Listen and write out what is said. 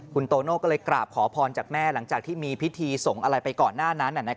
คุณโตโน่ก็เลยกราบขอพรจากแม่หลังจากที่มีพิธีส่งอะไรไปก่อนหน้านั้น